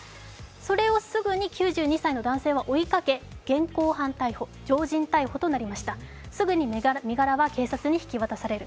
それをすぐに９２歳の男性は追いかけ現行犯逮捕、常人逮捕となりましたすぐに身柄は警察に引き渡される。